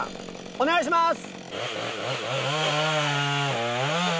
お願いします！